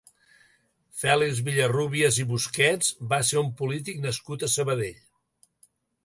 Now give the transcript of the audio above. Fèlix Vilarrúbias i Busquets va ser un polític nascut a Sabadell.